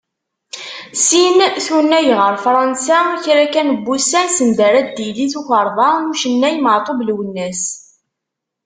Sin tunag ɣer Fransa, kra kan n wussan send ara d-tili tukerḍa n ucennay Maɛtub Lwennes.